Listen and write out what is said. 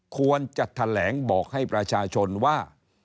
ควรจะแถลงบอกให้ประชาชนว่า